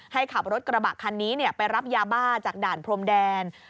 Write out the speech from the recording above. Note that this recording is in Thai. ขับรถกระบะคันนี้ไปรับยาบ้าจากด่านพรมแดน